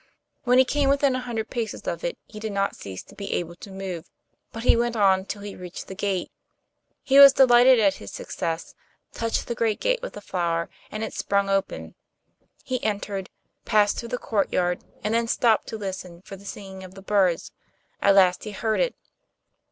When he came within a hundred paces of it he did not cease to be able to move, but he went on till he reached the gate. He was delighted at his success, touched the great gate with the flower, and it sprung open. He entered, passed through the courtyard, and then stopped to listen for the singing of the birds; at last he heard it.